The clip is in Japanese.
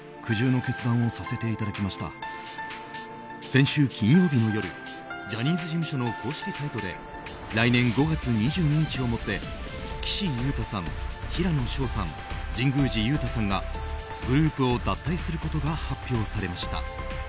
先週金曜日の夜ジャニーズ事務所の公式サイトで来年５月２２日をもって岸優太さん平野紫耀さん、神宮寺勇太さんがグループを脱退することが発表されました。